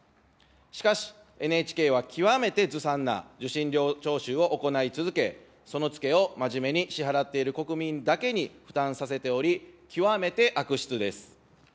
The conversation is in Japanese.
しかし、ＮＨＫは極めてずさんな受信料徴収を行い続け、そのつけを真面目に支払っている国民だけに負担させており、極めて悪質です。